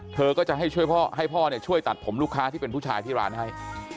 เธอก็จะให้ช่วยให้พ่อช่วยตัดผมลูกค้าที่เป็นผู้ชายที่ร้านให้